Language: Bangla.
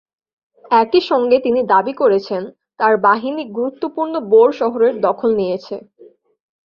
একই সঙ্গে তিনি দাবি করেছেন, তাঁর বাহিনী গুরুত্বপূর্ণ বোর শহরের দখল নিয়েছে।